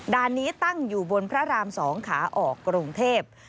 นี้ตั้งอยู่บนพระราม๒ขาออกกรุงเทพ